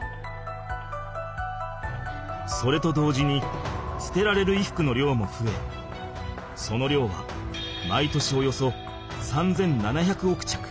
それと同時に捨てられる衣服の量もふえその量は毎年およそ３７００億着。